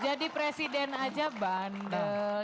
jadi presiden aja bandel